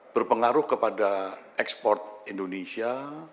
berpengaruh kepada ekspor indonesia